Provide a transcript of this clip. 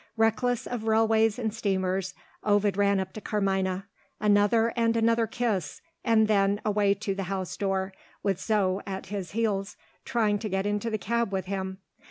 Reckless of railways and steamers, Ovid ran up to Carmina. Another and another kiss; and then away to the house door, with Zo at his heels, trying to get into the cab with him.